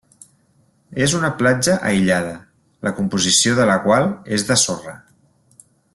És una platja aïllada, la composició de la qual és de sorra.